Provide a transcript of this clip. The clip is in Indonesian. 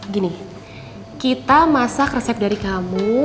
gini kita masak resep dari kamu